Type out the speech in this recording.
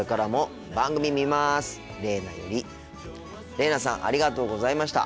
れいなさんありがとうございました。